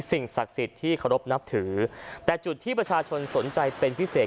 สิ่งศักดิ์สิทธิ์ที่เคารพนับถือแต่จุดที่ประชาชนสนใจเป็นพิเศษ